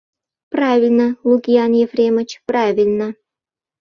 Правильно, Лукиан Ефремыч, правильно...